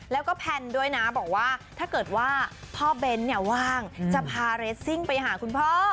แล้วก็แพนด้วยนะบอกว่าถ้าเกิดว่าพ่อเบ้นเนี่ยว่างจะพาเรสซิ่งไปหาคุณพ่อ